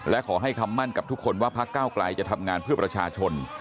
และขอให้คำมั่นกับทุกคนว่าพักเก้าไกลจะทำงานเพื่อประชาชน